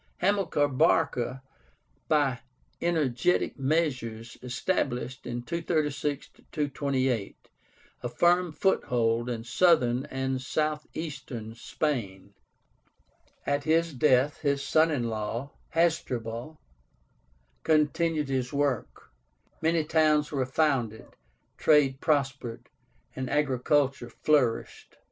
Hamilcar Barca, by energetic measures, established (236 228) a firm foothold in Southern and Southeastern Spain. At his death, his son in law, Hasdrubal, continued his work. Many towns were founded, trade prospered, and agriculture flourished.